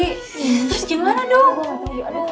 terus gimana dong